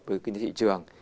với kinh tế thị trường